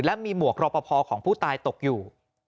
และมีหมวกรอปภของผู้ตายตกอยู่